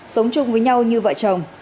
sống chung với nhau như vợ chồng